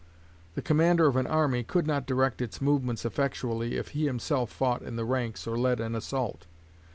The commander of an army could not direct its movements effectually if he himself fought in the ranks or led an assault.